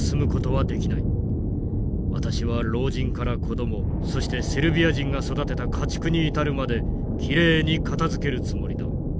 私は老人から子どもそしてセルビア人が育てた家畜に至るまできれいに片づけるつもりだ。